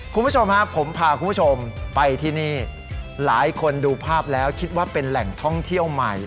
คุณผู้ชมฮะผมพาคุณผู้ชมไปที่นี่หลายคนดูภาพแล้วคิดว่าเป็นแหล่งท่องเที่ยวใหม่